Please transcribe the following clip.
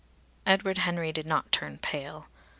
Edward Henry did not turn pale.